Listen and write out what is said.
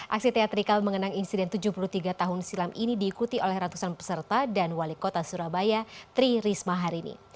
aksi teatrikal mengenang insiden tujuh puluh tiga tahun silam ini diikuti oleh ratusan peserta dan wali kota surabaya tri risma hari ini